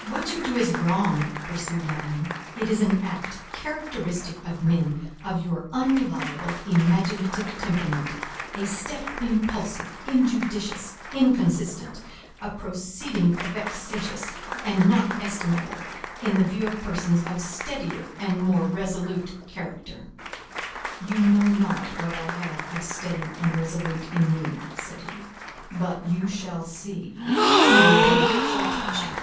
"What you do is wrong," pursued Madame; "it is an act characteristic of men of your unreliable, imaginative temperament; a step impulsive, injudicious, inconsistent—a proceeding vexatious, and not estimable in the view of persons of steadier and more resolute character." "You know not what I have of steady and resolute in me," said he, "but you shall see; the event shall teach you.